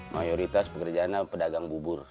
mayoritas pekerjaannya pedagang bubur